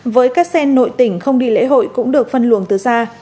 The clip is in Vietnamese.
với các xen nội tỉnh không đi lễ hội cũng được phân luồng từ xa